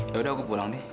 yaudah aku pulang deh